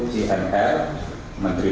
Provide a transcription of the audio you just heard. pmr dan miiu